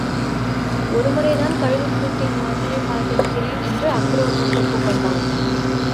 ஒருமுறைதான் கழுகுக்கூட்டின் வாசலைப் பார்த்திருக்கிறேன் என்று அக்ரோனோஸ் ஒப்புக்கொண்டான்.